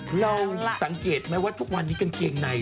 เราสังเกตไหมว่าทุกวันนี้กางเกงใน